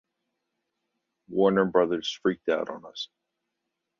Warner Brothers freaked out on us.